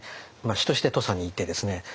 主として土佐にいてですね